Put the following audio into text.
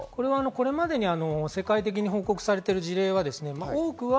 これまでに世界的に報告されている事例は多くは、